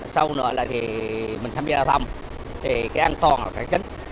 sau nữa là thì mình tham gia thăm thì cái an toàn là cái chính